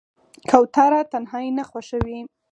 کوتره تنهایي نه خوښوي.